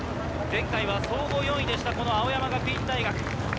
前回は総合４位でした、この青山学院大学。